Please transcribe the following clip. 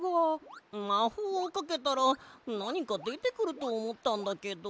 まほうをかけたらなにかでてくるとおもったんだけど。